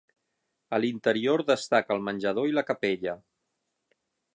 A l'interior destaca el menjador i la capella.